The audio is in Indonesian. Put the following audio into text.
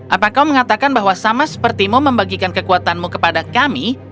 apa kau mengatakan bahwa sama sepertimu membagikan kekuatanmu kepada kami